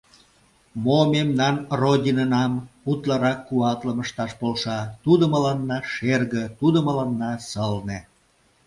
Мо мемнан Родинынам утларак куатлым ышташ полша, тудо мыланна шерге, тудо мыланна сылне!